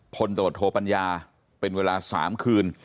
พลตรวจโทปัญญาเป็นเวลา๓คืน